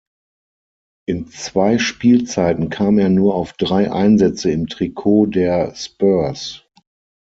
In zwei Spielzeiten kam er nur auf drei Einsätze im Trikot der Spurs.